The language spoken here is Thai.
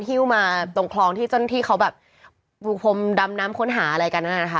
ฮิวมาตรงคลองที่จนที่เขาแบบบูคพรมดำน้ำคนหาอะไรกันน่ะค่ะ